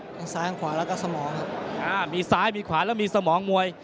ทั้งซ้ายขวาแล้วก็สมองครับอ่ามีซ้ายมีขวาแล้วมีสมองมวย